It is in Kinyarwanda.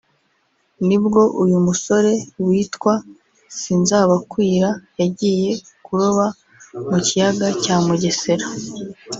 nibwo uyu musore witwa Sinzabakwira yagiye kuroba mu kiyaga cya Mugesera